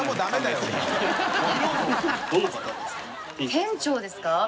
店長ですか？